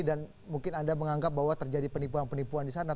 dan mungkin anda menganggap bahwa terjadi penipuan penipuan di sana